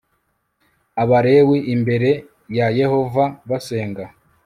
abalewi imbere ya yehova basenga